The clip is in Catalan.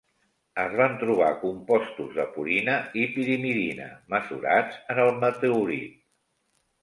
Es van trobar compostos de purina i pirimidina mesurats en el meteorit.